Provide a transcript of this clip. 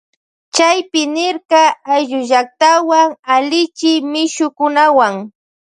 Chaypi nirka ayllullaktawan allichi mishukunawuan.